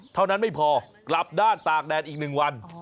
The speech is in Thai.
เท่านั้นไม่พอกลับด้านตากแดดอีก๑วัน